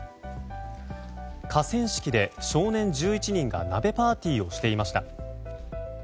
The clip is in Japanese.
河川敷で少年１１人が鍋パーティーをしていました。